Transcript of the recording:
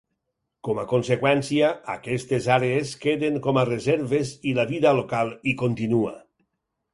Com a conseqüència, aquestes àrees queden com a reserves i la vida local hi continua.